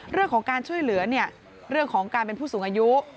เรื่องของการช่วยเหลือเรื่องของการเป็นผู้สูงอายุ